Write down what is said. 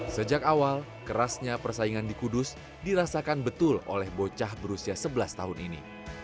sejak awal kerasnya persaingan di kudus dirasakan betul oleh bocah berusia sebelas tahun ini